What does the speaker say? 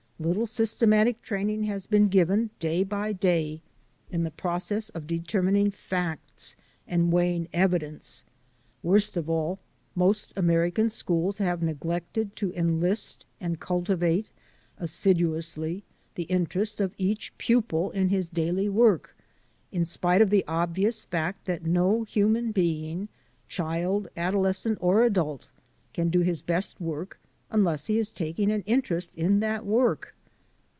Little system atic training has been given day by day in the processes of determining facts and weighing evi dence. ... Worst of all, most American schools have neglected to enlist and cultivate as siduously the interest of each pupil in his daily work, in spite of the obvious fact that no human being — child, adolescent, or adult — can do his best work unless he is taking an interest in that work.